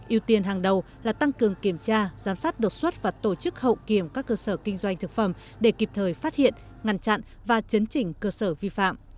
yêu tiên hàng đầu là tăng cường kiểm tra giám sát đột xuất và tổ chức hậu kiểm các cơ sở kinh doanh thực phẩm để kịp thời phát hiện ngăn chặn và chấn chỉnh cơ sở vi phạm